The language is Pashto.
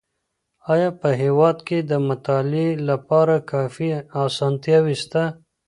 آيا په هېواد کي د مطالعې لپاره کافي اسانتياوې سته؟